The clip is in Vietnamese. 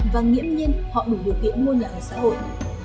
và nghiễm nhiên họ đủ điều kiện mua nhà ở xã hội